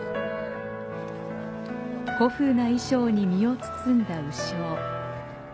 古風な衣装に身を包んだ鵜匠。